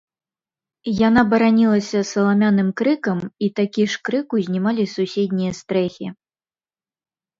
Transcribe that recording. Яна баранілася саламяным крыкам, і такі ж крык узнімалі суседнія стрэхі.